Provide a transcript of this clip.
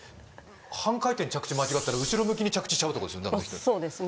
半回転着地間違ったら後ろ向きに着地しちゃうってことでしょ